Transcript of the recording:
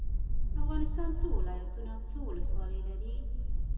افغانستان څو ولايتونه او څو ولسوالي لري؟